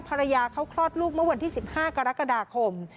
ภรรยาเขาคลอดลูกเมื่อวันที่๑๕กรกฎาคม